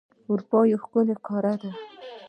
اروپا یو ښکلی قاره ده.